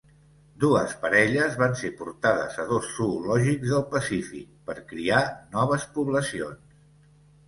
Dues parelles van ser portades a dos zoològics del Pacífic per criar noves poblacions.